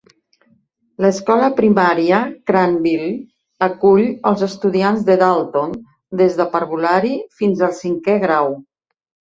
L'escola primària Craneville acull els estudiants de Dalton des de parvulari fins al cinquè grau.